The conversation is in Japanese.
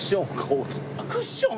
あっクッション？